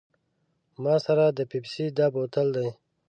ما سره د پیپسي دا بوتل دی.